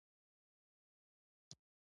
آیا فور جي خدمتونه شته؟